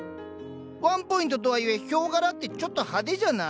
ワンポイントとはいえヒョウ柄ってちょっとハデじゃない？